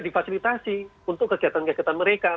difasilitasi untuk kegiatan kegiatan mereka